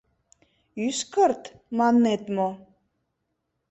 — Ӱскырт, маннет мо?